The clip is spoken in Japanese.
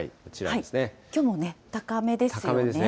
きょうも高めですよね。